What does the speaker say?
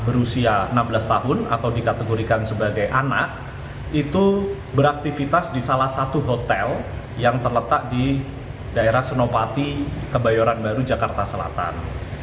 sebelumnya seorang remaja perempuan yang masih berusia enam belas tahun yang dikategorikan sebagai anak itu beraktifitas di salah satu hotel yang terletak di daerah senopati kebayoran baru jakarta selatan